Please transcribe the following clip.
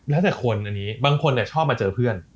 แล้วแต่คนอันนี้บางคนชอบมาเจอเพื่อน